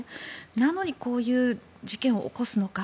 なのにこういう事件を起こすのか